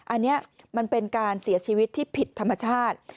อันนี้มันเป็นการเสียชีวิตที่ผิดธรรมชาติ